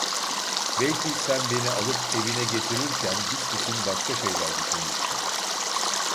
Belki sen beni alıp evine getirirken büsbütün başka şeyler düşünmüştün.